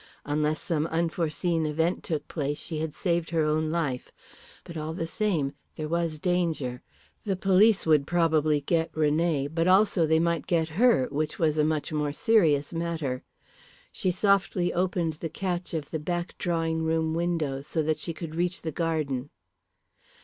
Unless some unforeseen event took place she had saved her own life. But all the same there was danger. The police would probably get René, but also they might get her, which was a much more serious matter. She softly opened the catch of the back drawing room window so that she could reach the garden.